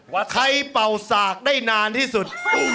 ว่าใครเป่าสากได้นานที่สุด